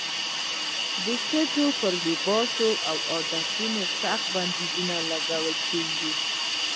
د ښځو پر لباس او عادتونو سخت بندیزونه لګول کېږي.